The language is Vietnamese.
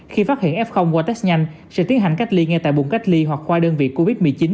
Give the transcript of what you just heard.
khi phát hiện f qua test nhanh sẽ tiến hành cách ly ngay tại vùng cách ly hoặc khoa đơn vị covid một mươi chín